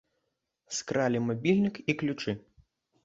Скралі мабільнік і ключы.